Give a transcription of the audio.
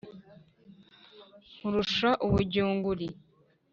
nkurusha ubujyunguri